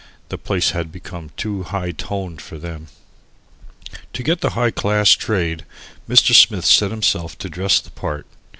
The place had become too "high toned" for them. To get the high class trade, Mr. Smith set himself to dress the part.